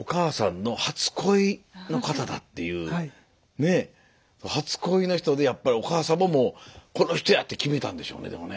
ねえ初恋の人でやっぱりお母様も「この人や！」って決めたんでしょうねでもね。